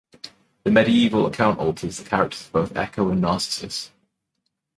This medieval account alters the characters of both Echo and Narcissus.